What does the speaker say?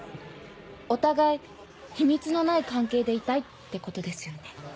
お互い秘密のない関係でいたいってことですよね？